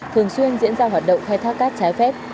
thường xuyên diễn ra hoạt động khai thác cát trái phép